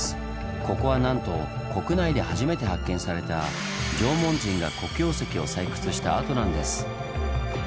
ここはなんと国内で初めて発見された縄文人が黒曜石を採掘した跡なんです。